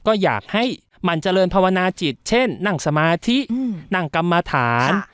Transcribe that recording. ก็อยากให้มันเจริญภาวนาจิตเช่นนั่งสมาธินั่งกรรมฐาน